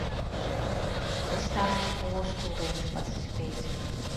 This time four students participated.